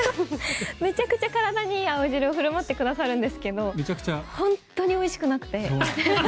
めちゃくちゃ体にいい青汁を振る舞ってくださるんですけど本当においしくなくて。